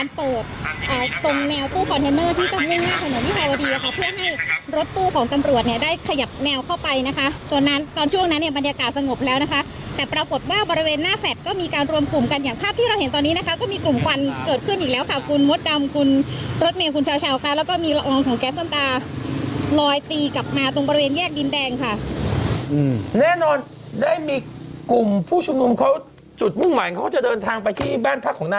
แนวตู้คอนเทนเนอร์ที่จะมุ่งหน้าถนนวิทยาวดีนะคะเพื่อให้รถตู้ของตำรวจเนี่ยได้ขยับแนวเข้าไปนะคะตอนนั้นตอนช่วงนั้นเนี่ยบรรยากาศสงบแล้วนะคะแต่ปรากฏว่าบริเวณหน้าแสดก็มีการรวมกลุ่มกันอย่างภาพที่เราเห็นตอนนี้นะคะก็มีกลุ่มควันเกิดขึ้นอีกแล้วค่ะคุณมดดำคุณรถเมียคุณชาวชาวค่ะแล้วก